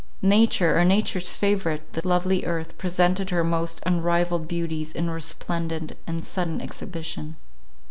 Nature, or nature's favourite, this lovely earth, presented her most unrivalled beauties in resplendent and sudden exhibition.